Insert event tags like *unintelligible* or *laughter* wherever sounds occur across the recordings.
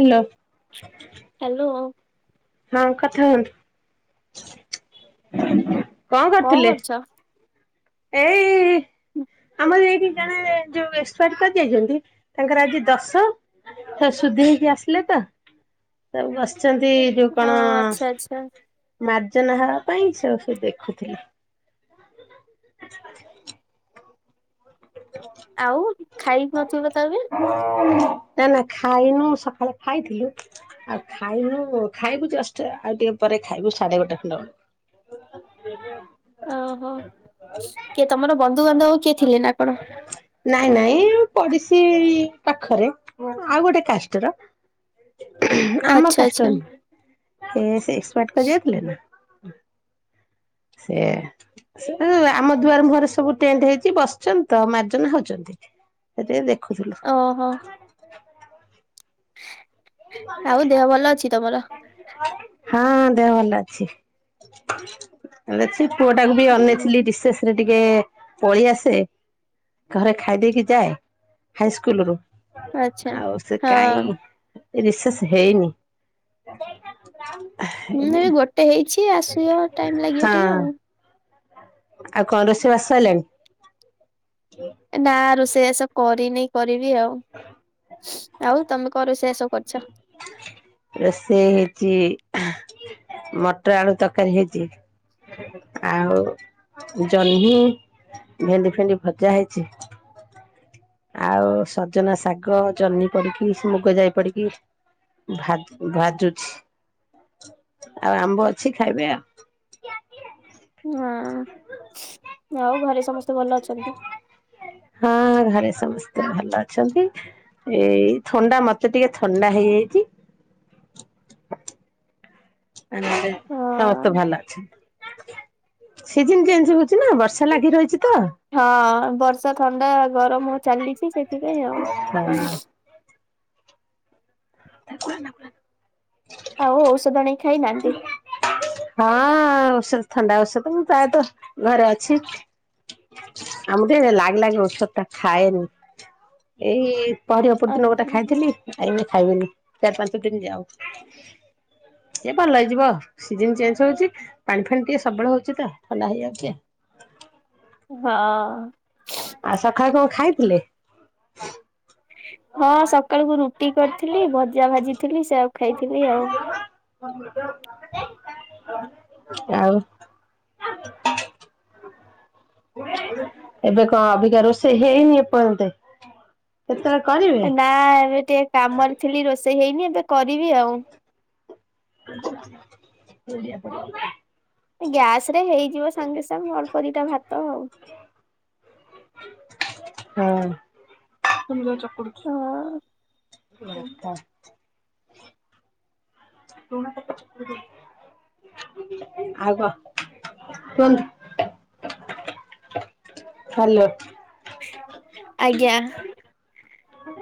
Hello. Hello. ହଁ କଥା ହୁହନ୍ତୁ, କଁ କଣ କରୁଥିଲେ? କରୁଛ? ଏଇ ଆମର ଏଇଠି ଜଣେ ଯୋଉ ଏକ୍ସପାର୍ଟ କରି ଯାଇଚନ୍ତି ତାଙ୍କର ଆଜି ଦଶ ସବୁ ସୁଧି ହେଇକି ଆସିଲେତ ସବୁ ବସିଚନ୍ତି। ଯୋଉ ଓ କଣ ଆଚ୍ଛା ଆଚ୍ଛା ମାର୍ଜନା ହବା ପାଇଁ ସବୁ ସେଇ ଦେଖୁଥିଲି। *inaudible* ଆଉ ଖାଇନଥିବତ ଏବେ? ନାଁ ନାଁ ଖାଇନୁ ସକାଳେ ଖାଇଥିଲୁ ଆଉ ଖାଇନୁ ଖାଇବୁ ଜଷ୍ଟ ଆଉ ଟିକେ ପରେ ଖାଇବୁ ସାଢେ ଗୋଟେ ଖଣ୍ଡେ ବେଳେ। *unintelligible* ଓହୋ କିଏ ତମର ବନ୍ଧୁବାନ୍ଧବ କିଏ ଥିଲେନା କଣ? ନାଇଁ ନାଇଁ ପଡ଼ିଶୀ ପାଖରେ ଆଉ ଗୋଟେ କାଷ୍ଟର ଆମ ଆଚ୍ଛା କାଷ୍ଟର ଆଚ୍ଛା ନୁହଁ ଏ ସେଏକ୍ସପାର୍ଟ କରି ଯାଇଥିଲେନା ସେ ଉଁ ଆମ ଦୁଆର ମୁହଁରେ ସବୁ ଟେଣ୍ଟ ହେଇଚି ବସିଚନ୍ ତ ମାର୍ଜନା ହୋଉଚନ୍ତି ସେଇଟି ଟିକେ ଦେଖୁଥିଲୁ। ଓହୋ। ଆଉ ଦେହ ଭଲ ଅଛି ତମର? *unintelligible* ହଁ ଦେହ ଭଲ ଅଛି ଭଲ ଅଛି ପୁଅଟାକୁବି ଅନେଇଥିଲି ହୁଁ ରିସେଶ୍ ଥିରେ ଟିକେ ପଳେଇ ଆସେ ଘରେ ଖାଇ ଦେଇେଇକି ଯାଏ ହାଇସ୍କୁଲରୁ ଆଚ୍ଛା ଆଉ ସେ ହଁ। କାଇଁ ରିସେଶ୍ ହେଇନି ହୁଁ ହେ ଏବେ ଗୋଟେ ହେଇଚି ଆସିବ ଟାଇମ୍ ଲାଗିବ ଟିକେ ଆଉ। ଆଉ କଁ ରୋଷେଇ ବାସ ସଇଲାଣି? ନା ରୋଷେଇ ବାସ କରିନି କରିବି ଆଉ। ଆଉ ତମେ କଁ ରୋଷେଇ ବାସ ସବୁ କରିଚ? ରୋଷେଇ ହେଇଚି ମଟର ଆଳୁ ତରକାରୀ ହେଇଚି। ଆଉ ଜହ୍ନି ଭେଣ୍ଡି ଫେଣ୍ଡି ଭଜା ହେଇଚି। ଆଉ ସଜନା ଶାଗ ଜହ୍ନି ପଡ଼ିକି ମୁଗ ଯାଇ ପଡ଼ିକି ଭା ଭାଜୁଛି ଆଉ ଆମ୍ବ ଅଛି ଖାଇବେ ଆଉ। ହଁ ଆଉ ଘରେ ସମସ୍ତେ ଭଲ ଅଛନ୍ତି? ହଁ ଘରେ ସମସ୍ତେ ଭଲ ଅଛନ୍ତି। ଏଇ ଥଣ୍ଡା ମତେ ଟିକେ ଥଣ୍ଡା ହେଇଯାଇଚି ସମସ୍ତେ ହଁ। ଭଲ ଅଛନ୍ତି। ସିଜିନ୍ ଚେଞ୍ଜ ହଉଚିନା ବର୍ଷା ଲାଗି ରହିଚି ତ। ହଁ ବର୍ଷା, ଥଣ୍ଡା, ଗରମ ଚାଲିଚି ସେଥିପାଇଁ ଆଉ। *inaudible* ଆଉ ଔଷଧ ଅଣିକି ଖାଇନାହାନ୍ତି। ହଁ ଓଷଦ ଥଣ୍ଡା ଓଷଦ ପ୍ରାୟତଃ ଘରେ ଅଛି। ଆମେ ଟିକେ ଲାଗେ ଲାଗେ ଔଷଦଟା ଖାଏନି ଏଇ ପହରି ଅପୁରି ଦିନ ଗୋଟେ ଆଜି ଖାଇଥିଲି ଏଇନେ ଖାଇବିନି ଚାରି ପାଞ୍ଚ ଦିନି ଯାଉ। ଏ ଭଲ ହେଇଯିବ ସିଜିନ୍ ଚେଞ୍ଜ ହଉଚି। ପାଣି ଫାଣି ଟିକେ ସବୁବେଳେ ହଉଚିତ ଥଣ୍ଡା ହେଇଯାଉଚି ଆ। ହଁ। ଆଉ ସକାଳେ କଣ ଖାଇଥିଲେ? ହଁ ସକାଳକୁ ରୁଟି କରିଥିଲି ଭଜା ଭାଜିଥିଲି ସେଉ ଖାଇଥିଲି ଆଉ। ଆଉ ଏବେ କଣ ଅବିକା ରୋଷେଇ ହେଇନି ଏପର୍ଯ୍ୟନ୍ତ କେତେବେଳେ କରିବେ। ନା, ଏବେ ଟିକେ କାମରେ ଥିଲି ରୋଷେଇ ହେଇନି ଏବେ କରିବି ଆଉ। *inaudible* ଏ ଗ୍ୟାସ ରେ ହେଇଯିବ ସାଙ୍ଗେ ସାଙ୍ଗେ ଭଲପଟା ଭାତ ଆଉ। ହଁ। ଚକଡୁଛି। ହଁ ଲୁଣ ପକେଇ ଚକଡି ଦଉଚି। ଆଉ କଣ କୁହନ୍ତୁ। ହ୍ୟାଲୋ। ଆଜ୍ଞା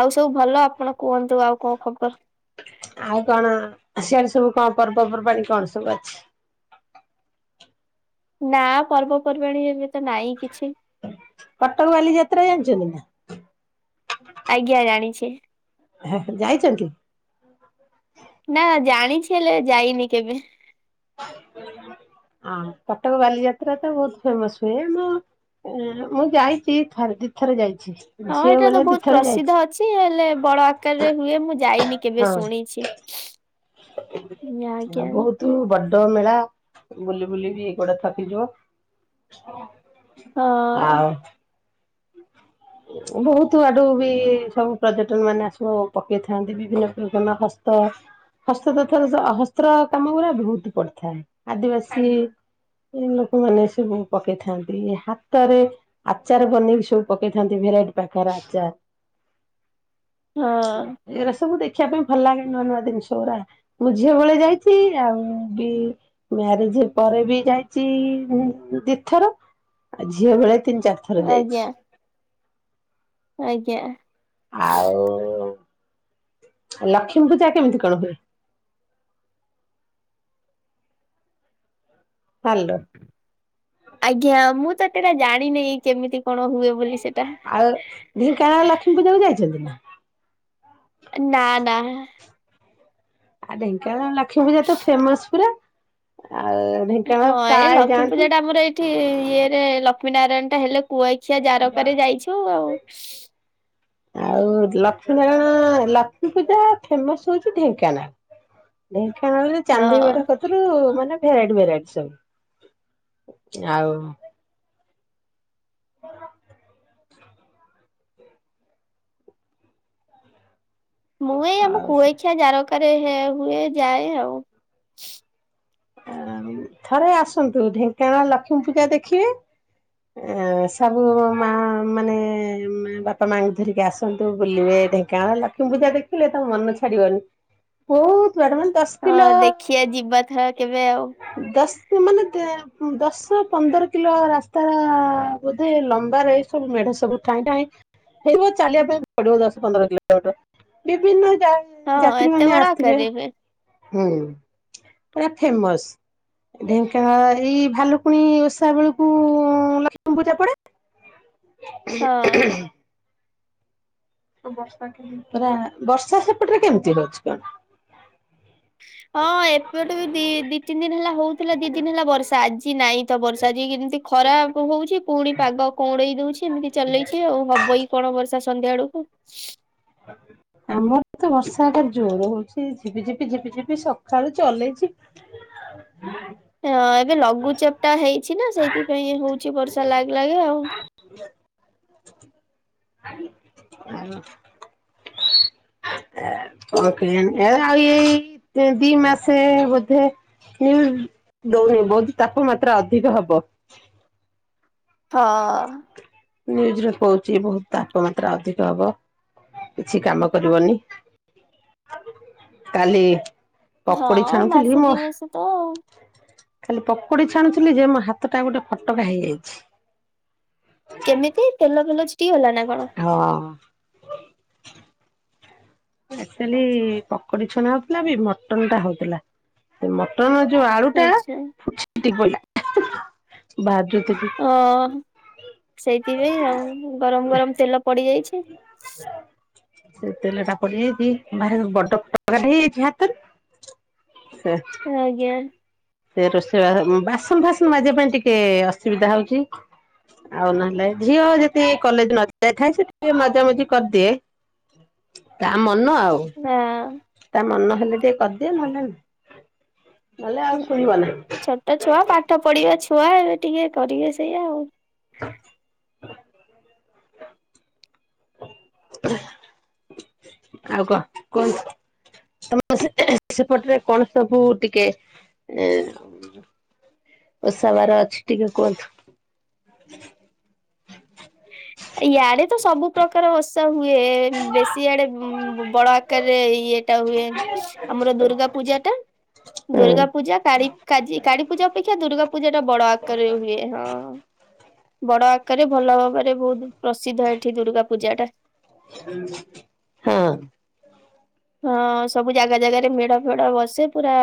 ଆଉ ସବୁ ଭଲ ଆପଣ କୁହନ୍ତୁ। ଆଉ କଣ ଖବର? ଆଉ କଣ ସିଆଡେ ସବୁ କଣ ପର୍ବପର୍ବାଣି କଣ ସବୁ ଅଛି। ନା ପର୍ବପର୍ବାଣୀ ଏବେ ତ ନାଇଁ କିଛି। କଟକ ବାଲି ଯାତ୍ରା ଜାଣିଛନ୍ତି ନା? ଆଜ୍ଞା ଜାଣିଛି। ହେ ଯାଇଛନ୍ତି। *inaudible* ନା ଜାଣିଛି ହେଲେ ଯାଇନି କେବେ। ଆ କଟକ ବାଲିଯାତ୍ରା ତ ବହୁତ ଫେମସ ହୁଏ ଆମ। ମୁଁ ଯାଇଛି ଥରେ ଦିଇ ଥରେ ଯାଇଛି ଝିଅ ବେଳେ ଦି ଥରେ ଯାଇଛି। ଲେ ବଡ ଆକାରରେ ହୁଏ ମୁଁ ଯାଇନି କେବେ ଶୁଣିଛି। ଆ ଆଜ୍ଞା ବହୁ ତୁ ବଡ ମେଳା ବୁଲି ବୁଲି ବିି ଗୋଡ ଥକି ଯିବ। ହଁ ବହୁତ ଆଡୁ ବି ସବୁ ପର୍ଯ୍ୟଟନ ମାନେ ଆସୁ ପକେଇଥାନ୍ତି ବିଭିନ୍ନ ପ୍ରକାର ହସ୍ତ ହସ୍ତ ହସ୍ତ କାମ ଗଡା ବହୁତ ପଡିଥାଏ ଆଦିବାସୀ ଏ ଲୋକମାନେ ସବୁ ପକେଇଥାନ୍ତି ହାତରେ ଆଚାର ବନେଇକି। ସବୁ ପକେଇଥାନ୍ତି ଭେରାଇଟି ପ୍ରକାର ଆଚାର। ହଁ। ଏଗୁରା ସବୁ ଦେଖିବା ପାଇଁ ଭଲ ଲାଗେ ନୂଆ ନୂଆ ଜିନିଷ ଗୁରା ମୁଁ ଝିଅ ବେଳେ ଯାଇଛି ଆଉ ବି ମ୍ୟାରେଜ ପରେ ବି ଯାଇଛି ଦି ଥର ଆଉ ଝିଅ ବେଳେ ତିନି, ଚାରିଥ ଆଜ୍ଞା। ଆଜ୍ଞା। ଆଉ ଲକ୍ଷ୍ମୀ ପୂଜା କେମିତି କଣ ହୁଏ। ହାଲୋ। ଆଜ୍ଞା ମୁଁ ଏତେଟା ଜାଣିନି କେମିତି କଣ ହୁଏ ବୋଲି ସେଟା। ଆଉ ଢ଼େଙ୍କାନଳ ଲକ୍ଷ୍ମୀ ପୂଜାକୁ ଯାଇଛନ୍ତି ନା। ନା ନା। ଆଉ ଢେଙ୍କାନଳ ଲକ୍ଷ୍ମୀ ପୂଜା ତ ଫେମସ୍ ପୁରା ଆଉ ଢେଙ୍କାନାଳ ହଁ ଏଇ ପ୍ରାୟ ଲକ୍ଷ୍ମୀ ଯାଆନ୍ତି। ପୂଜା ଟା ଆମର ଏଇ ଏଠି ଇଏରେ ଲକ୍ଷ୍ମୀ ନାରାୟଣ ଟା ହେଲେ କୁଆଖିଆ ଜାରକରେ ଯାଇଛୁ ଆଉ। ଆଉ ଲକ୍ଷ୍ମୀ ନାରାୟଣ ଲକ୍ଷ୍ମୀ ପୂଜା ଫେମସ ହଉଛି ଢେଙ୍କାନାଳ। ଢେଙ୍କାନାଳରେ ଚାନ୍ଦି ହଁ ମେଢ କ *unintelligible* ମାନେ ଭେରାଇଟି ଭେରାଇଟି ସବୁ ଆଉ। *inaudible* ମୁଁ ଏଇ ଆମ ଆଉ କୁଆ ଖିଆ ଜାରକାରେ ହୁଏ ଯାଏ ଆଉ। ଥରେ ଆସନ୍ତୁ ଢେଙ୍କାନଳ ଲକ୍ଷ୍ମୀ ପୂଜା ଦେଖିବେ ଏ ସବୁ ମା ମାନେ ବାପା ମାଙ୍କୁ ଧରିକି ଆସନ୍ତୁ ବୁଲିବେ ଢେଙ୍କା ଗାଁ ଲକ୍ଷ୍ମୀ ପୂଜା ଦେଖିଲେ ତମ ମନ ଛାଡିବନି ବହୁତ ବାଟ ମାନେ ଦଶ ହଁ କିଲୋ ଦେଖିବା ଯିବା ଥରେ କେବେ ଆଉ। *unintelligible* ଦଶ ପନ୍ଦର କିଲୋ ରାସ୍ତା ବୋଧେ ଲମ୍ବାରେ ସବୁ ମେଢ ସବୁ ଠାଇଁ ଠାଇଁ। ହେଇବ ଚାଲିବା ପାଇଁ ପଡିବ ଦଶ ପନ୍ଦର କିଲୋମିଟର ବିଭିନ୍ନ ହଁ ଜାଗା ଯାତ୍ରୀ ଏତେ ମାନେ ବଡ ଆସିବେ ଆକାରରେ ହୁଏ ହୁଁ ପା ଫେମସ୍। ଢେଙ୍କାନଳ ଏଇ ଭାଲୁକୁଣି ଓଷା ବେଳକୁ ଲକ୍ଷ୍ମୀ ପୂଜା ପଡେ। ହଁ। *unintelligible* ପୁରା ବର୍ଷା ସେପଟରେ କେମିତି ରହୁଛି କଣ। ହଁ ଏପଟୁ ବି ଦି ତିନି ଦିନ ହେଲା ହଉଥିଲା ଦି ଦିନ ହେଲା ବର୍ଷା ଆଜି ନାଇଁ। ତ ବର୍ଷା ଯଏ ଏମିତି ଖରାପ ହଉଛି ପୁଣି ପାଗ କଅଁଲେଇ ଦଉଛି ଏମିତି ଚଲେଇଛି ଆଉ ହବକି କଣ। କଣ ବର୍ଷା ସନ୍ଧ୍ୟା ବେଳକୁ *inaudible* ଆମର ତ ବର୍ଷା ହେବାର ଜୋର ହଉଛି ଝିପିଝିପିଝିପିଝିପି ସକାଳୁ ଚଲେଇଛି। *unintelligible* ହଁ ଏବେ ଲଘୁଚାପ ଟା ହେଇଛି ନା ସେଇଥିପାଇଁ ହଉଛି ବର୍ଷା ଲାଗେ ଲାଗେ ଆଉ। *unintelligible* ଓକେ ଆଉ ଏଇ ଦି ମାସେ ବୋଧେ। ହୁଁ ଦଉନି ବହୁତ୍ ତାପମାତ୍ରା ଅଧିକ ହବ। ହଁ। ନିୟୁଜ୍ ରେ କହୁଛି ବହୁତ ତାପମାତ୍ରା ଅଧିକ ହବ। କିଛି କାମ କରିବନି କାଲି। ହଁ ପକୋଡି ଛାଣୁଥିଲି ମାସ ମୋ ଦି ମାସ ତ ଆଉ। ଖାଲି ପକୋଡି ଛାଣୁଥିଲି ଯେ ମୋ ହାତ ଟା ଗୋଟେ ଫଟକା ହେଇଯାଇଛି। କେମିତି ତେଲ ଫେଲ ଛିଟିକି ଗଲା ନା କଣ। ହଁ। ଆଚୁଆଲି ପକୋଡି ଛନା ହଉଥିଲା ବି ମଟନ ଟା ହଉଥିଲା। ସେ ମଟନ ଯୋଉ ଆଳୁ ଟା ଆଛା ଛିଟିକି ପଡ଼ିଲା ଭାଜୁଥିଲି। ହଁ ସେଇଥିପାଇଁ ଆଉ ଗରମ ଗରମ ତେଲ ପଡିଯାଇଛି। ସେ ତେଲ ଟା ପଡିଯାଇଛି ବାହାରେ ବଡ *unintelligible* ହେଇଯାଇଛି ହାତରେ। ହଁ। ଆଜ୍ଞା। ସେ ରୋଷେଇ ବାସନ ଫାସନ ମାଜିବା ପାଇଁ ଟିକେ ଅସୁବିଧା ହଉଛି। ଆଉ ନହେଲେ ଝିଅ ଯଦି କଲେଜ ନ ଯାଇଥାଏ ସେ ଟିକେ ମଜାମଜି କରିଦିଏ। ତା ମନ ଆଉ। ନାଁ। ତା ମନ ହେଲେ ଟିକେ କରିଦିଏ ନହେଲେ *unintelligible* ନହେଲେ ଆଉ ହଁ ଶୁଣିବ ନାହିଁ। ଛୋଟ ଛୁଆ ପାଠ ପଢିବା ଛୁଆ ଏବେ ଟିକେ କରିବେ ସେଇଆ ଆଉ। *unintelligible* ଆଉ କହ କୁହ ତମ ସେପଟରେ କଣ ସବୁ ଟିକେ ଓଷା ବାର ଅଛି ଟିକେ କୁହନ୍ତୁ। ହ ୟାଡେ ତ ସବୁ ପ୍ରକାର ଓଶା ହୁଏ ବେଶି ଆଡେ ବଡ ଆକାରରେ ଇଏଟା ହୁଏ। ଆମର ଦୁର୍ଗା ପୂଜା ଟା ହଁ ଦୁର୍ଗା ପୂଜା କା କାଳୀ ପୂଜା ଅପେକ୍ଷା ଦୁର୍ଗା ପୂଜା ଟା ବଡ ଆକାର ହୁଏ ହଁ। ବଡ ଆକାରରେ ଭଲ ଭାବରେ ବହୁତ ପ୍ରସିଦ୍ଧ ଏଠି ଦୁର୍ଗା ପୂଜାଟା। ହଁ। ହଁ ସବୁ ଜାଗା ଜାଗାରେ ମେଢ ଫେଡ ବସେ ପୁରା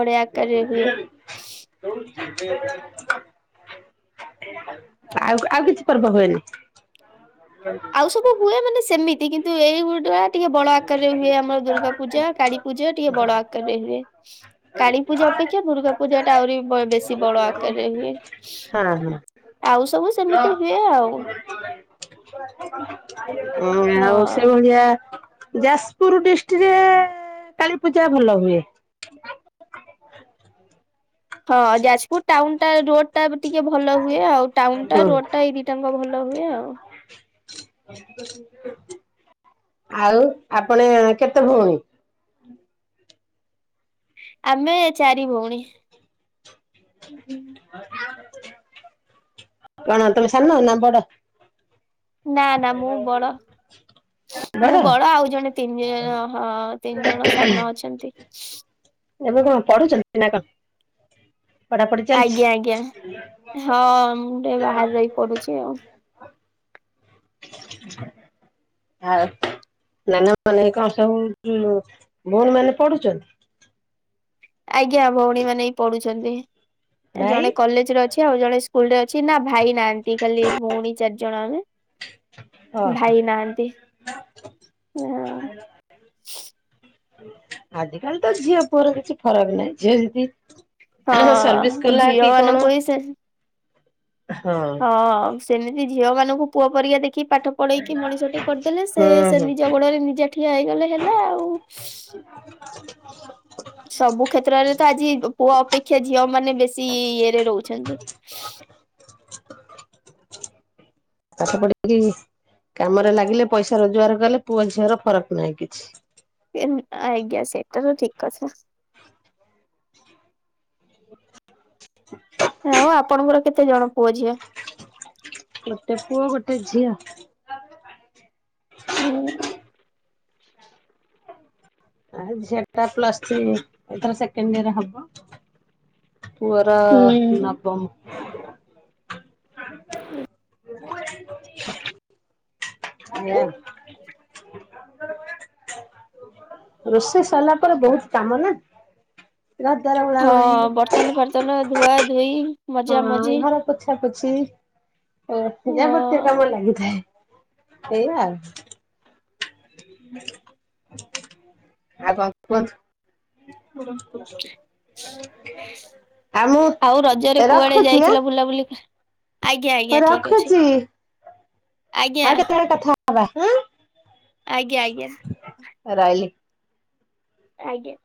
ବଢିଆ ଆକାରରେ ହୁଏ। ହ ଆଉ ଆଉ କିଛି ପର୍ବ ହୁଏନି ଆଉ ସବୁ ହୁଏ ମାନେ ସେମିତି କିନ୍ତୁ ଏଇଗୁଡ଼ା ଟିକେ ବଡ ଆକାରରେ ହୁଏ ଆମର ଦୁର୍ଗା ପୂଜା, କାଳୀ ପୂଜା ଟିକେ ବଡ ଆକାରରେ ହୁଏ। କାଳୀ ପୂଜା ଅପେକ୍ଷା ଦୁର୍ଗା ପୂଜା ଟା ଆହୁରି ବେଶୀ ବଡ ଆକାରରେ ହୁଏ। ହଁ ହଁ। ଆଉ ସବୁ ସେମିତି ହୁଏ ଆଉ। ହଁ ଆଉ ସେ ହଁ। ଭଳିଆ ଯାଜପୁର ଡିଷ୍ଟ୍ରିକ୍ଟରେ କାଳୀପୂଜା ଭଲ ହୁଏ। ହଁ ଯାଜପୁର ଟାଉନ ଟା ରୋଡଟା ଟିକେ ଭଲ ହୁଏ ଆଉ ଟାଉନଟା ହୁଁ ରୋଡଟା ଏଇ ଦି ଟାଙ୍କ ଭଲ ହୁଏ ଆଉ। ଆଉ ଆପଣ କେତେ ଭଉଣୀ? ଆମେ ଚାରି ଭଉଣୀ। କଣ ତମେ ସାନ ନା ବଡ଼? ନା ନା ମୁଁ ବଡ। ମୁଁ ବଡ ଆଉ ଜଣେ ତିନି ଜଣ ହଁ ତିନି ଜଣ ସାନ ଅଛନ୍ତି। ଏବେ କଣ ପଢୁଛନ୍ତି ନା କଣ? ପଢାପଢି ଚାଲିଛି ଆଜ୍ଞା ଆଜ୍ଞା ହଁ ମୁଁ ଟିକେ ବାହାରେ ରହି ପଡୁଛି ଆଉ। *unintelligible* କଣ ସବୁ ଭଉଣୀ ମାନେ ପଢୁଛନ୍ତି? ଆଜ୍ଞା ଭଉଣୀ ମାନେ ବି ପଢୁଛନ୍ତି। ଭାଇ ଜଣେ କଲେଜରେ ଅ ଅଛି, ଆଉ ଜଣେ ସ୍କୁଲ ରେ ଅଛି ନା ଭାଇ ନାହାନ୍ତି ଖାଲି ଭଉଣୀ ଚାରି ଜଣ ଆମେ। ଓ ହୋ ଭାଇ ନାହାନ୍ତି ଆଜିକାଲି ତ ଝିଅ ପୁଅର କିଛି ଫରକ ନାହିଁ ଝିଅ ଯଦି ସର୍ଭିସ ହଁ କଲା ଝିଅ କି କଣ ମାନଙ୍କୁ ହିଁ ସେ ହଁ ହଁ ସେମିତି ଝିଅ ମାନଙ୍କୁ ପୁଅ ପରିକା ଦେଖି ପାଠ ପଳେଇକି ମଣିଷ ଟିକ କରିଦେଲେ ସେ ହୁଁ ସେ ହୁଁ ନିଜ ଗୋଡରେ ନିଜେ ଠିଆ ହେଇଗଲେ ହେଲା ଆଉ ସବୁ କ୍ଷେତ୍ରରେ ତ ଆଜି ପୁଅ ଅପେକ୍ଷା ଝିଅ ମାନେ ବେଶୀ ଇଏରେ ରହୁଛନ୍ତି ପାଠ ପଢ଼ିକି କାମରେ ଲାଗିଲେ ପଇସା ରୋଜଗାର କଲେ ପୁଅ ଝିଅର ଫରକ ନାହିଁ କିଛି। ଆଜ୍ଞା ସେଟା ତ ଠିକ ଅଛ ହ ଆଉ ଆପଣଙ୍କର କେତେ ଜଣ ପୁଅ ଝିଅ ଗୋଟେ ପୁଅ ଗୋଟେ ଝିଅ ହୁଁ ଝିଅ ଟା ପ୍ଲସ ଥିରି ଏଥର ସେକେଣ୍ଡିର ହବ ପୁଅ ର ହୁଁ ନବମ *unintelligible* *inaudible* ରୋଷେଇ ସରିଲା ପରେ ବହୁତ କାମ ନା ଘର ଦ୍ଵାର ହଁ ବର୍ତ୍ତନ ଫର୍ତନ ଧୁଆ ଧୋଇ ହଁ ଘର ପୋଛା ପୋଛି ହଁ ଯାବତ୍ୱ କାମ ଲାଗିଥାଏ ସେଇଆ ହ ଆଉ କଣ କୁହନ୍ତୁ ଆଉ ମୁଁ ଆଉ ରଜରେ କୁଆଡେ ରଖୁଛି ଆଁ ଯାଇଥିଲ ବୁଲାବୁଲି ଆଜ୍ଞା ମୁଁ ଆଜ୍ଞା ଠିକ ଅଛି। ରଖୁଛି ଆଜ୍ଞା ଆଉ କେତେବେଳେ କଥା ହବା ଉଁ ଆଜ୍ଞା ଆଜ୍ଞା ରହିଲି ଆଜ୍ଞା